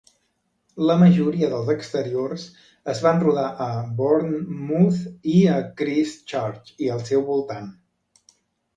La majoria dels exteriors es van rodar a Bournemouth i Christchurch i al seu voltant.